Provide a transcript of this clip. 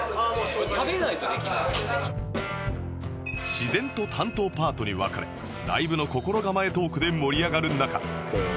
自然と担当パートに分かれライブの心構えトークで盛り上がる中